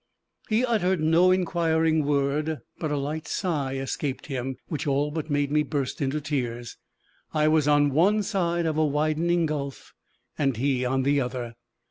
He uttered no inquiring word, but a light sigh escaped him, which all but made me burst into tears. I was on one side of a widening gulf, and he on the other!